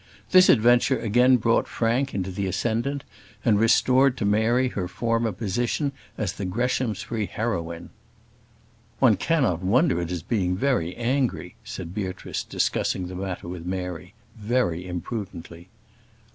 This adventure again brought Frank into the ascendant, and restored to Mary her former position as the Greshamsbury heroine. "One cannot wonder at his being very angry," said Beatrice, discussing the matter with Mary very imprudently.